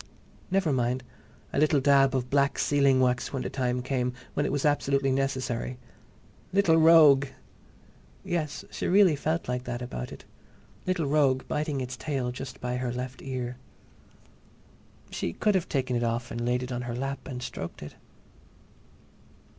Never mind—a little dab of black sealing wax when the time came—when it was absolutely necessary.... Little rogue! Yes, she really felt like that about it. Little rogue biting its tail just by her left ear. She could have taken it off and laid it on her lap and stroked it.